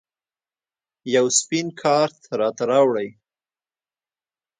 یو سپین کارت راته راوړئ